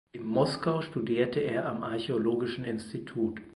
In Moskau studierte er am Archäologischen Institut.